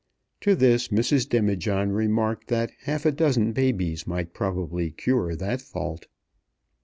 To this Mrs. Demijohn remarked that half a dozen babies might probably cure that fault.